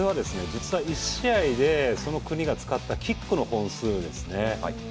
実は１試合でその国が使ったキックの本数ですね。